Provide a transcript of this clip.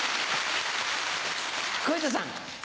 小遊三さん。